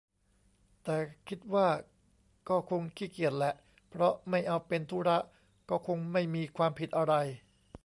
แต่คิดว่าก็คงขี้เกียจแหละ เพราะไม่เอาเป็นธุระก็คงไม่มีความผิดอะไร